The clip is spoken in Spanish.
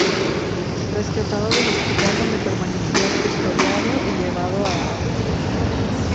Rescatado del hospital donde permanecía custodiado y llevado a Austria.